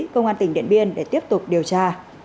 công an tỉnh điện biên để tiếp tục điều tra